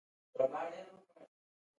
ټمپورل برخه د غږ تحلیل او اروايي احساس کوي